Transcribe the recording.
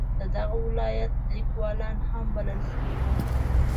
د دغه ولایت لیکوالان هم بلل شوي وو.